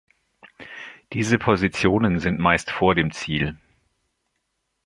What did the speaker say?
Diese Positionen sind meist vor dem Ziel.